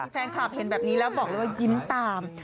แฟนคลับเห็นแบบนี้แล้วบอกเลยว่ายิ้มตาม